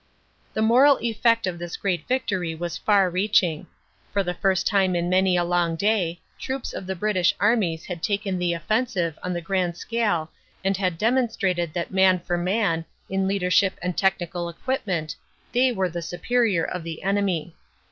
The moral effect of this great victory was far reaching. For the first time for many a long day troops of the British armies had taken the offensive on the grand scale and had demon strated that man for man, in leadership and technical equip ment, they were the superior of the enemy.